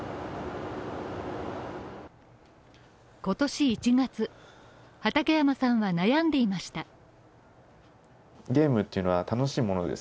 今年１月、畠山さんは悩んでいました。